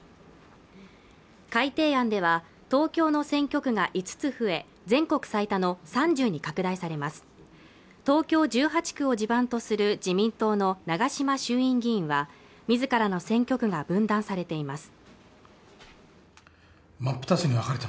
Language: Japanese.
改定案では東京の選挙区が５つ増え全国最多の３０に拡大されます東京１８区を地盤とする自民党の長島衆院議員はみずからの選挙区が分断されています